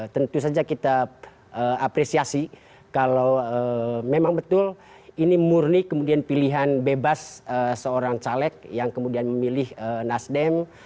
tentu saja kita apresiasi kalau memang betul ini murni kemudian pilihan bebas seorang caleg yang kemudian memilih nasdem